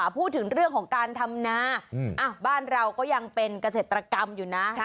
พูดถึงเรื่องของการทำนาบ้านเราก็ยังเป็นเกษตรกรรมอยู่นะ